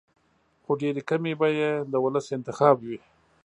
خو ډېرې کمې به یې د ولس انتخاب وي.